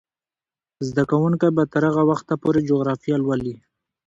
زده کوونکې به تر هغه وخته پورې جغرافیه لولي.